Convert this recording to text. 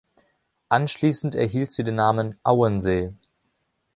Anschließend erhielt sie den Namen „Auensee“.